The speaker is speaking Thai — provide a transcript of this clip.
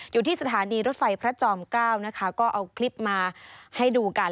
อยู่ที่สถานีรถไฟพระจอมเก้านะคะก็เอาคลิปมาให้ดูกัน